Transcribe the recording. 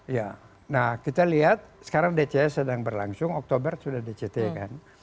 ya nah kita lihat sekarang dcs sedang berlangsung oktober sudah dct kan